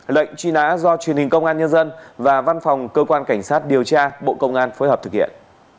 lệnh truy nã do truyền hình công an nhân dân và văn phòng cơ quan cảnh sát điều tra bộ công an phối hợp thực hiện